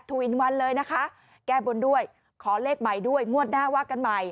วินวันเลยนะคะแก้บนด้วยขอเลขใหม่ด้วยงวดหน้าว่ากันใหม่